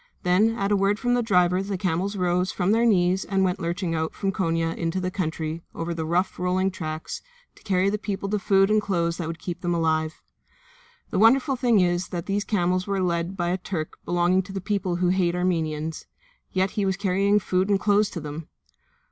Then at a word from the driver the camels rose from their knees and went lurching out from Konia into the country, over the rough, rolling tracks, to carry to the people the food and clothes that would keep them alive. The wonderful thing is that these camels were led by a Turk belonging to the people who hate the Armenians, yet he was carrying food and clothes to them!